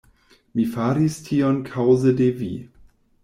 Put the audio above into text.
Mi faris tion kaŭze de vi.